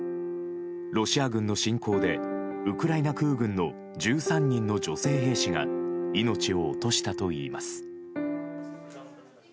ロシア軍の侵攻でウクライナ空軍の１３人の女性兵士が命を落としたといいます。